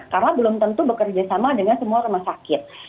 karena belum tentu bekerja sama dengan semua rumah sakitnya